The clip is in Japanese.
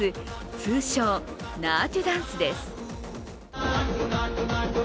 通称ナートゥダンスです。